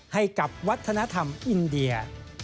ให้กับวัฒนธรรมอินเดีย